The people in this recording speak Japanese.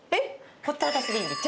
ほったらかしでいいんです。